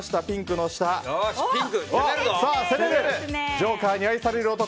ジョーカーに愛される男